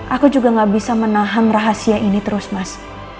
aku juga gak bisa menahan rahasia ini terus mas